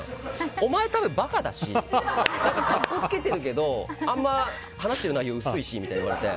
お前、たぶん、馬鹿だし格好つけてるけどあんま話してる内容薄いしみたいに言われて。